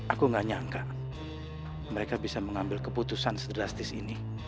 aku gak nyangka mereka bisa mengambil keputusan sedrastis ini